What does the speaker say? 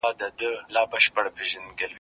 د پښتو ژبي دپاره په انټرنیټ کي کار کول اړین دي